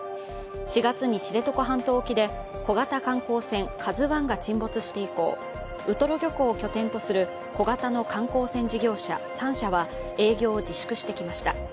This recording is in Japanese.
４月に知床半島沖で小型観光船「ＫＡＺＵⅠ」が沈没して以降、ウトロ漁港を拠点とする小型の観光船事業者、３社は営業を自粛してきました。